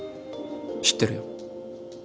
知ってるよ。